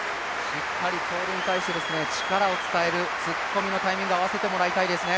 しっかりポールに対して力を伝えるタイミングを合わせてもらいたいですね。